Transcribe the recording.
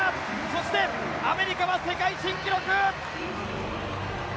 そしてアメリカは世界新記録！